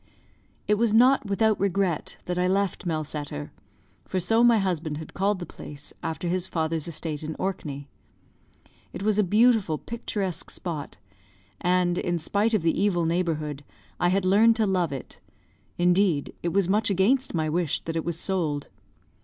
It was not without regret that I left Melsetter, for so my husband had called the place, after his father's estate in Orkney. It was a beautiful, picturesque spot; and, in spite of the evil neighbourhood, I had learned to love it; indeed, it was much against my wish that it was sold.